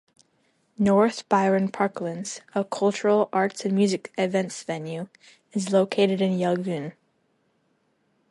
North Byron Parklands, a cultural, arts and music events venue, is located in Yelgun.